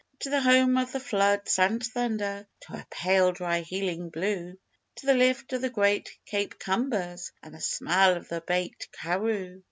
To the home of the floods and thunder, To her pale dry healing blue To the lift of the great Cape combers, And the smell of the baked Karroo.